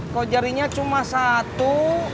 kok jarinya cuma satu